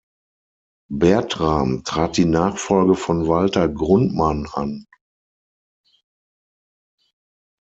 Bertram trat die Nachfolge von Walter Grundmann an.